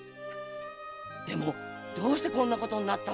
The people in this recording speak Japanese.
でもどうしてこんなことになったんだい？